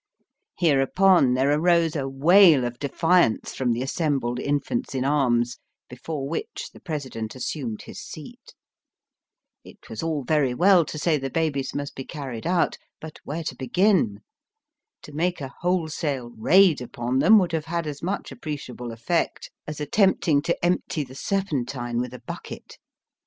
Hereupon there arose a wail of defiance from the assembled infants in arms, before which the President assumed his seat. It was Digitized by VjOOQIC THE CITY OF THE SAINTS. 107 all very well to say the babies must be carried out — ^but where to begin ? To make a whole sale raid upon them would have had as much appreciable eflfect as attempting to empty the Serpentine with a bucket.